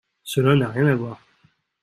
Cela n’a rien à voir